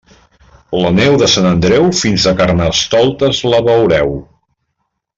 La neu de Sant Andreu fins a Carnestoltes la veureu.